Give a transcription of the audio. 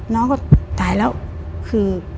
น้องก็ตายแล้วคือ